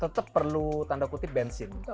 tetap perlu tanda kutip bensin